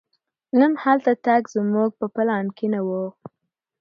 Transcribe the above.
نن هلته تګ زموږ په پلان کې نه و.